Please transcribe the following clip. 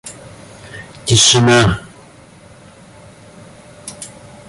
тишина